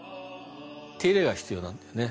手入れが必要なんですね。